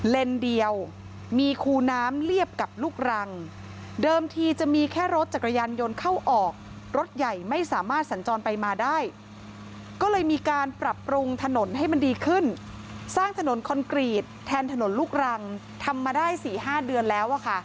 เดียวมีคูน้ำเรียบกับลูกรังเดิมทีจะมีแค่รถจักรยานยนต์เข้าออกรถใหญ่ไม่สามารถสัญจรไปมาได้ก็เลยมีการปรับปรุงถนนให้มันดีขึ้นสร้างถนนคอนกรีตแทนถนนลูกรังทำมาได้๔๕เดือนแล้ว